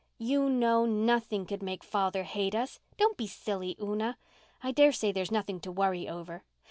"You know nothing could make father hate us. Don't be silly, Una. I dare say there's nothing to worry over.